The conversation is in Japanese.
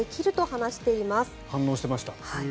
反応してました。